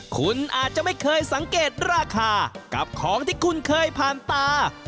คุณอาจจะไม่เคยสังเกตราคากับของที่คุณเคยผ่านตา